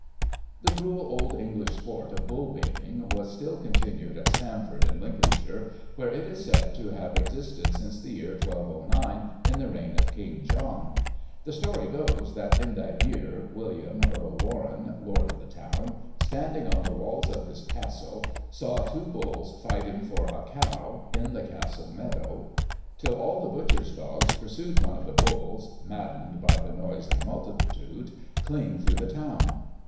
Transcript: The cruel old English sport of bull baiting was still con tinued at Stamford, in Lincolnshire, where it is said to have existed since the year 1209, in the reign of King John. The story goes that, in that year, William, Earl Warren, lord of the town, standing on the walls of his castle, saw two bulb fighting for a cow, in the castle meadow, till all the butchers dogs pursued one of the bulls (maddened by the noise and multitude) clean through the town.